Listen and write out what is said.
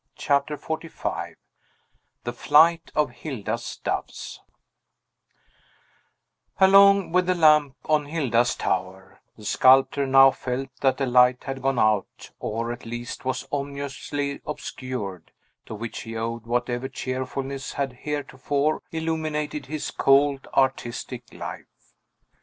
CHAPTER XLV THE FLIGHT OF HILDA'S DOVES Along with the lamp on Hilda's tower, the sculptor now felt that a light had gone out, or, at least, was ominously obscured, to which he owed whatever cheerfulness had heretofore illuminated his cold, artistic life.